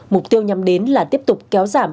mục tiêu nhằm đến là tiếp tục kéo giảm